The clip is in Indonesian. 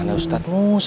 jangan kaik uagnich